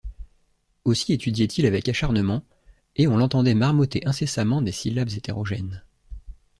Aussi étudiait-il avec acharnement, et on l’entendait marmotter incessamment des syllabes hétérogènes.